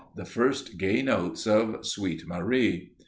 the first gay notes of "Sweet Marie!"